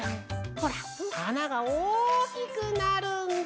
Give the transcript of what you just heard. ほらあながおおきくなるんだ。